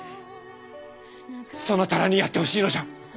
そなたらにやってほしいのじゃ！